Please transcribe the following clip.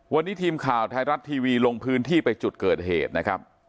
วันนี้ทีมข่าวไทยรัฐทีวีลงพื้นที่ไปจุดเกิดเหตุนะครับ